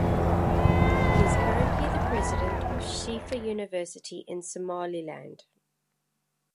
He is currently the president of Shifa University in Somaliland.